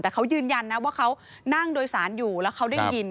แต่เขายืนยันนะว่าเขานั่งโดยสารอยู่แล้วเขาได้ยิน